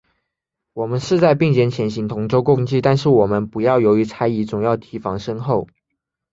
我们是在并肩前行，同舟共济，但是我们不要由于猜疑，总要提防身后。